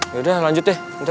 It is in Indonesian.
yaudah lanjut ya nanti